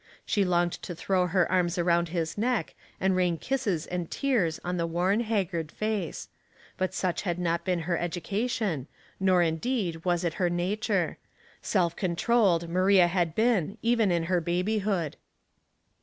She longed to throw her arms around his neck, and rain kisses and tears on the worn, haggard face ; but such had not been her education, nor indeed was it her nature ; self controlled Maria had been even in her baby hood.